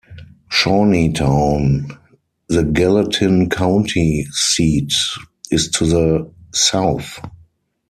Shawneetown, the Gallatin County seat, is to the south.